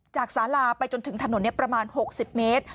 สาลาไปจนถึงถนนประมาณ๖๐เมตร